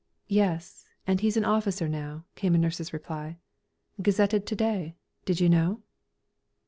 "Yes, and he's an officer now," came a nurse's reply. "Gazetted to day. Did you know?"